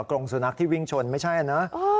กรงสุนัขที่วิ่งชนไม่ใช่นะ